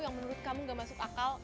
yang menurut kamu gak masuk akal